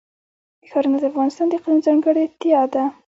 ښارونه د افغانستان د اقلیم ځانګړتیا ده.